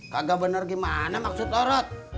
kagak benar gimana maksud orang